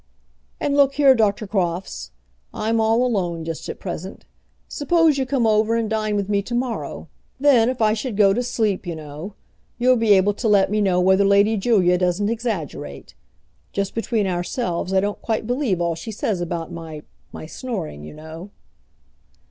"And look here, Doctor Crofts, I'm all alone just at present. Suppose you come over and dine with me to morrow; then, if I should go to sleep, you know, you'll be able to let me know whether Lady Julia doesn't exaggerate. Just between ourselves, I don't quite believe all she says about my my snoring, you know."